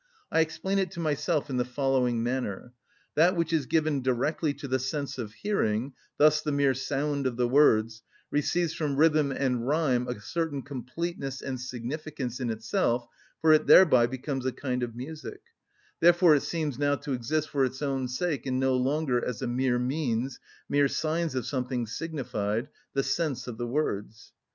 I explain it to myself in the following manner: That which is given directly to the sense of hearing, thus the mere sound of the words, receives from rhythm and rhyme a certain completeness and significance in itself for it thereby becomes a kind of music; therefore it seems now to exist for its own sake, and no longer as a mere means, mere signs of something signified, the sense of the words.